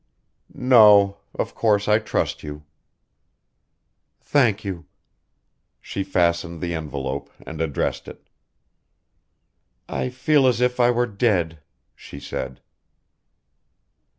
"No ... Of course I trust you." "Thank you." She fastened the envelope and addressed it. "I feel as if I were dead," she said.